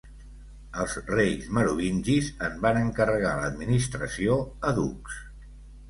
Els reis merovingis en van encarregar l'administració a ducs.